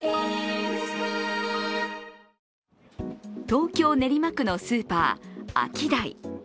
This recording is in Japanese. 東京・練馬区のスーパー、アキダイ。